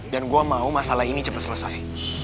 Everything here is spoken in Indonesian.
dan gue mau masalah ini cepet selesai